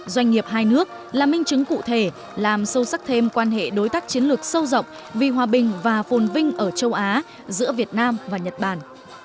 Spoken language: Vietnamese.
đối tác chiến lược sâu rộng vì hòa bình và phồn vinh ở châu á giữa việt nam và nhật bản